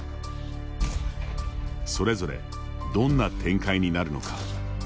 それぞれ、どんな展開になるのか。